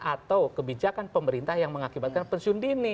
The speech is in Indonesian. atau kebijakan pemerintah yang mengakibatkan pensiun dini